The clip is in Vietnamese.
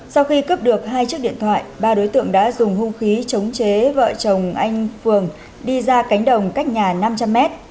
sau khi cướp được hai chiếc điện thoại ba đối tượng đã dùng hung khí chống chế vợ chồng anh phường đi ra cánh đồng cách nhà năm trăm linh m